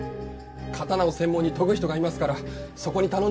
刀を専門に研ぐ人がいますからそこに頼んでください。